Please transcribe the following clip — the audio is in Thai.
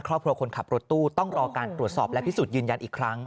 ครอบครัวคนขับรถตู้ต้องรอการตรวจสอบและพิสูจน์ยืนยันอีกครั้ง